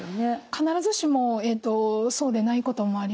必ずしもそうでないこともあります。